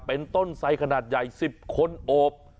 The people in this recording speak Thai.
เป็นต้นไสขนาดใหญ่๑๐คนโอบ